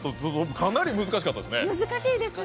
かなり難しかったですね。